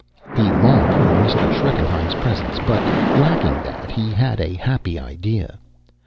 He longed for Mr. Schreckenheim's presence, but, lacking that, he had a happy idea.